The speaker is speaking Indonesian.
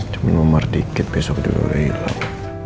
cuman nomor dikit besok dia udah hilang